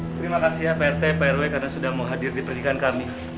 terima kasih ya prt prw karena sudah mau hadir di pernikahan kami